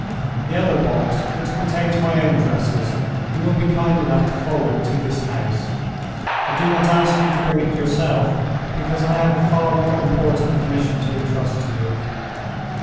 "The other box, which contains my own dresses, you will be kind enough to forward to this house. I do not ask you to bring it yourself, because I have a far more important commission to intrust to you.